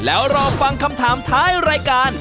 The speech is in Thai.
แล้วรอฟังคำถามท้ายรายการ